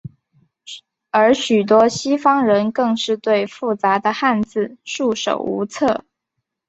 而许多西方人更是对复杂的汉字束手无策。